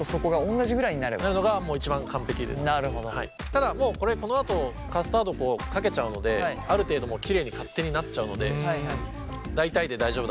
ただもうこれこのあとカスタードをこうかけちゃうのである程度きれいに勝手になっちゃうので大体で大丈夫だと思います。